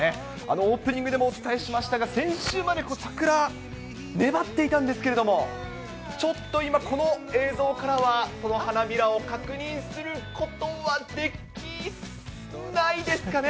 オープニングでもお伝えしましたが、先週まで桜、粘っていたんですけれども、ちょっと今、この映像からはその花びらを確認することはできないですかね。